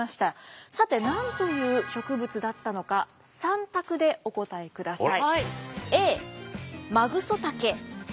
さて何という植物だったのか３択でお答えください。